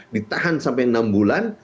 ditahan sampai enam bulan